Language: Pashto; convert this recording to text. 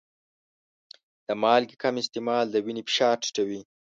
د مالګې کم استعمال د وینې فشار ټیټوي.